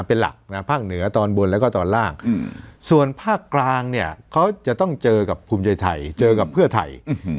เป็นหลักนะภาคเหนือตอนบนแล้วก็ตอนล่างส่วนภาคกลางเนี่ยเขาจะต้องเจอกับภูมิใจไทยเจอกับเพื่อไทย